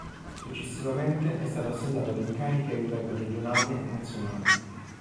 Successivamente è stato assegnato ad incarichi a livello regionale e nazionale.